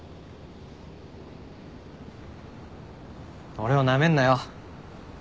俺をなめんなよ。